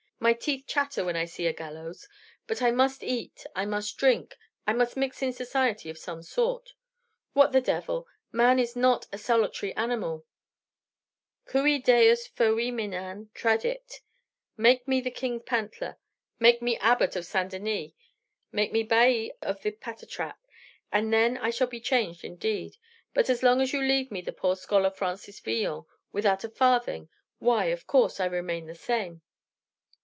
My teeth chatter when I see a gallows. But I must eat, I must drink, I must mix in society of some sort. What the devil! Man is not a solitary animal Cui Deus foeminam tradit. Make me king's pantler make me abbot of St. Denis; make me bailly of the Patatrac; and then I shall be changed indeed. But as long as you leave me the poor scholar Francis Villon, without a farthing, why, of course, I remain the same."